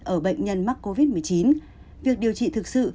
ở bệnh nhân mắc covid một mươi chín việc điều trị thực sự